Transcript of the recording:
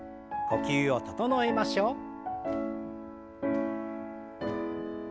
呼吸を整えましょう。